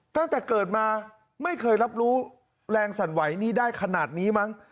ตั้งแต่เกิดมาไม่เคยรับรู้แรงสั่นไหวนี่ได้ขนาดนี้มั้ง